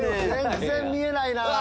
全然見えないな！